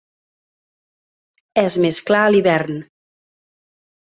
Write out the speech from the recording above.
És més clar a l'hivern.